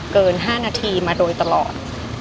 เกิน๕นาทีมาโดยตลอด